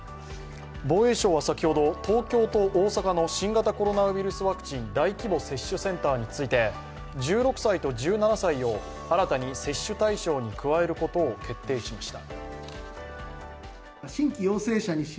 防衛省は先ほど、東京と大阪の新型コロナウイルスワクチン大規模接種センターについて１６歳と１７歳を新たに接種対象に加えることを決定しました。